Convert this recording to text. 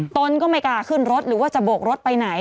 ตนก็ไม่กล้าขึ้นรถหรือว่าจะโบกรถไปไหน